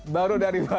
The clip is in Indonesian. baru dari bali